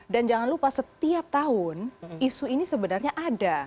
dan jangan lupa setiap tahun isu ini sebenarnya ada